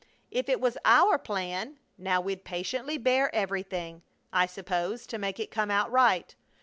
If it was our plan now we'd patiently bear everything, I suppose, to make it come out right.